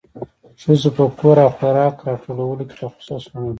ښځو په کور او خوراک راټولولو کې تخصص وموند.